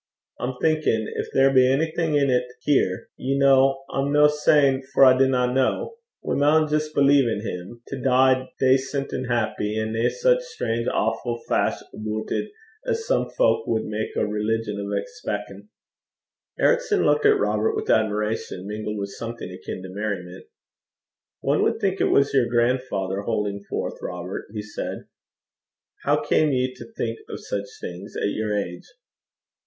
I'm thinkin', gin there be onything in 't ava ye ken I'm no sayin', for I dinna ken we maun jist lippen till him to dee dacent an' bonny, an' nae sic strange awfu' fash aboot it as some fowk wad mak a religion o' expeckin'.' Ericson looked at Robert with admiration mingled with something akin to merriment. 'One would think it was your grandfather holding forth, Robert,' he said. 'How came you to think of such things at your age?'